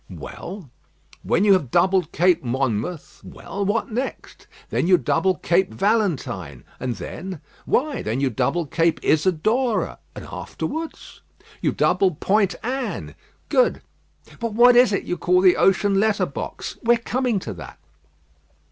"Well." "When you have doubled Cape Monmouth " "Well, what next?" "Then you double Cape Valentine." "And then?" "Why, then you double Cape Isidore." "And afterwards?" "You double Point Anne." "Good. But what is it you call the ocean letter box?" "We are coming to that.